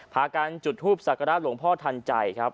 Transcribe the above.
พากันจุดภูมิศักดรรมรัฐหลวงพ่อทันใจครับ